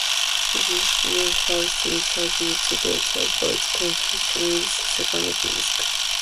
The designation "first" is added today to avoid confusion with the Second Viennese School.